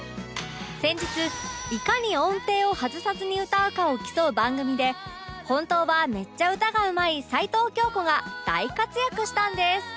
先日いかに音程を外さずに歌うかを競う番組で本当はめっちゃ歌がうまい齊藤京子が大活躍したんです